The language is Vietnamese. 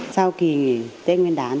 sau kỳ tết nguyên đán